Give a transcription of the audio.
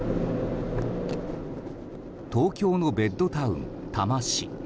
東京のベッドタウン、多摩市。